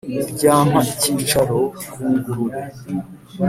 Ryampa icyicaro ku ngurube,